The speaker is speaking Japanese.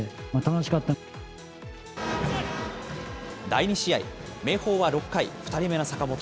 第２試合、明豊は６回、２人目の坂本。